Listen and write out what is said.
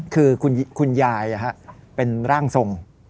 คือคุณยายเป็นร่างทรง